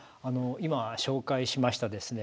今紹介しましたですね